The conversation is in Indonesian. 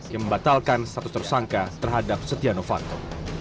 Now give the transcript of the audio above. yang membatalkan status tersangka terhadap setia novanto